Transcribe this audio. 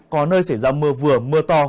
có nơi xảy ra mưa vừa mưa to